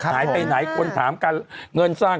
หายไปไหนคนถามการเงินสร้าง